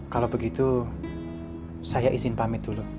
kalau begitu saya izin pamit dulu